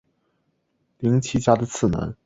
绫崎家的次男。